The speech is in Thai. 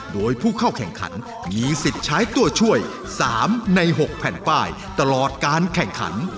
โดยผู้เข้าแข่งขันมีสิทธิ์ใช้ตัวช่วย๓ใน๖แผ่นป้ายตลอดการแข่งขัน